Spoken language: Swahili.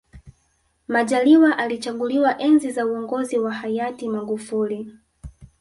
majaliwa alichaguliwa enzi za uongozi wa hayati magufuli